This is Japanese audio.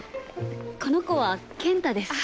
この子は健太です。